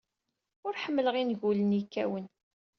Ur ḥemmleɣ ingulen yekkawen.